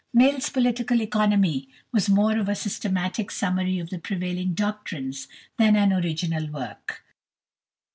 Mill's "Political Economy" was more of a systematic summary of the prevailing doctrines than an original work.